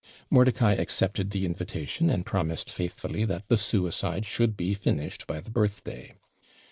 Mordicai accepted the invitation, and promised faithfully that the SUICIDE should be finished by the birthday.